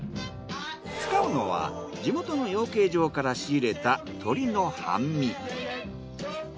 使うのは地元の養鶏場から仕入れた鶏の半身。